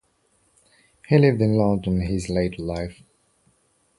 He lived in London in his later life.